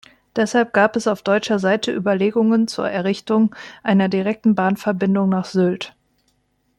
Deshalb gab es auf deutscher Seite Überlegungen zur Errichtung einer direkten Bahnverbindung nach Sylt.